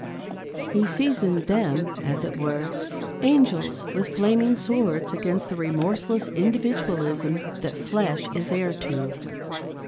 He sees in them, as it were, angels with flaming swords against the remorseless individualism that flesh is heir to.